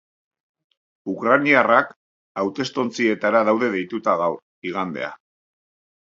Ukrainarrak hautestontzietara daude deituta gaur, igandea.